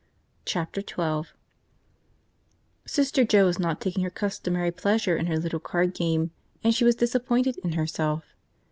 Chapter Twelve SISTER JOE was not taking her customary pleasure in her little card game, and she was disappointed in herself.